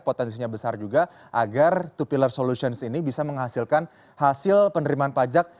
potensinya besar juga agar two pilar solutions ini bisa menghasilkan hasil penerimaan pajak